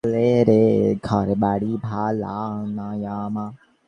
তাদের যত কবিত্ব লেখায়, কাজের বেলায় সেয়ানা।